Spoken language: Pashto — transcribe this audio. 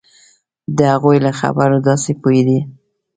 د هغوی له خبرو داسې پوهېده.